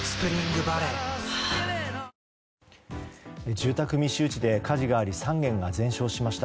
住宅密集地で火事があり３軒が全焼しました。